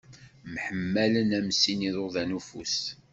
Mḥemmalen am sin iḍudan n ufus.